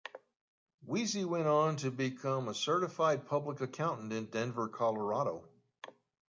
Weese went on to become a Certified Public Accountant in Denver, Colorado.